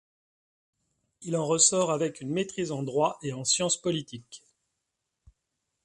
Il en ressort avec une maîtrise en droit et en sciences politiques.